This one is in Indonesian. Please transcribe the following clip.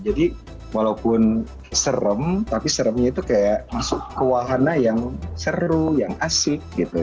walaupun serem tapi seremnya itu kayak masuk ke wahana yang seru yang asik gitu